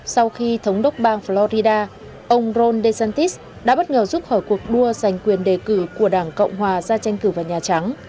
sau khi thống đốc bang florida ông ron desantis đã bất ngờ rút khỏi cuộc đua giành quyền đề cử của đảng cộng hòa ra tranh cử vào nhà trắng